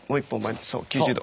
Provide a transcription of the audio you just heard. ９０度！